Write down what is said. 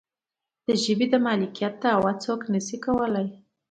د ژبې د مالکیت دعوه څوک نشي کولی.